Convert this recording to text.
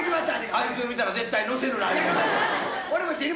あいつを見たら絶対乗せるな。